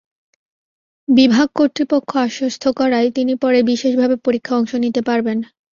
বিভাগ কর্তৃপক্ষ আশ্বস্ত করায় তিনি পরে বিশেষভাবে পরীক্ষায় অংশ নিতে পারবেন।